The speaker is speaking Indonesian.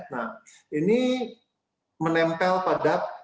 nah ini menempel pada